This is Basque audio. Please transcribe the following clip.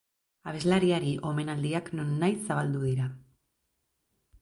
Abeslariari omenaldiak nonahi zabaldu dira.